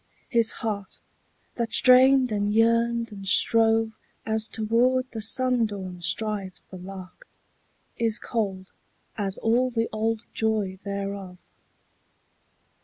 His heart, that strained and yearned and strove As toward the sundawn strives the lark, Is cold as all the old joy thereof.